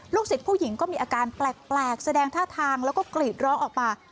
ศิษย์ผู้หญิงก็มีอาการแปลกแสดงท่าทางแล้วก็กรีดร้องออกมา